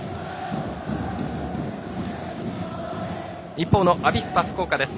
一方のアビスパ福岡です。